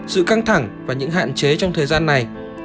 sự căng thẳng và những hạn chế trong thời gian này